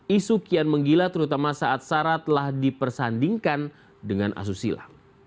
isu kian menggila terutama saat sarah telah dipersandingkan dengan asusila